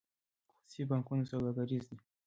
خصوصي بانکونه سوداګریز دي